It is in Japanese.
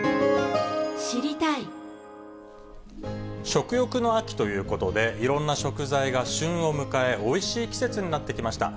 食欲の秋ということで、いろんな食材が旬を迎え、おいしい季節になってきました。